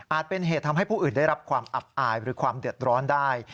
เป็นเหตุทำให้ผู้อื่นได้รับความอับอายหรือความเดือดร้อนได้